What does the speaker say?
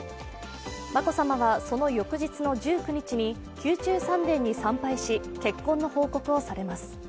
眞子さまはその翌日の１９日に宮中三殿に参拝し結婚の報告をされます。